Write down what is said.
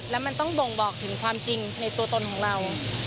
แล้วมันต้องบ่งบอกถึงความจริงในตัวตนของเรา